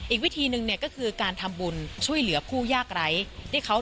อีกวิธีหนึ่งเนี่ยก็คือการทำบุญช่วยเหลือผู้ยากไร้